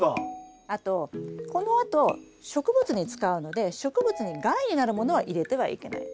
あとこのあと植物に使うので植物に害になるものは入れてはいけない。